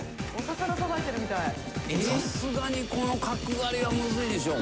さすがにこの角刈りはむずいでしょう